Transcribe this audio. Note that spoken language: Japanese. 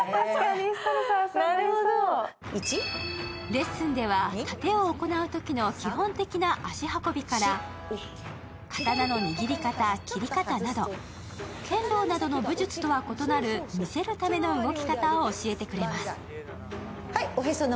レッスンではたてを行うときの基本的な足運びから刀の握り方、斬り方など剣道などの武術とは異なる見せるための動き方を教えてくれます。